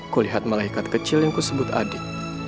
kulihat malaikat kecil yang kusebut adik